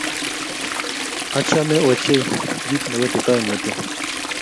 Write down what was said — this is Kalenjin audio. Achome ochei kiit ne wetitoi mutyo.